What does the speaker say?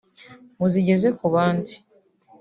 muzigeze ku bandi